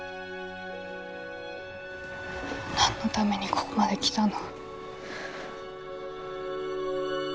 何のためにここまで来たの。